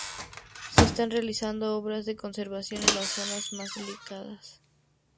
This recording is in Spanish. Se están realizando obras de conservación en las zonas más delicadas.